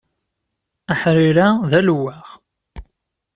Aḥrir-a d alewwaɣ.